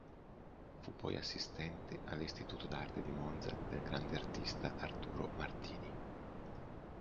Fu poi assistente all'Istituto d'Arte di Monza del grande artista Arturo Martini.